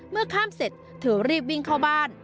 เมื่อข้ามเสร็จเธอรีบวิ่งเข้าบ้าน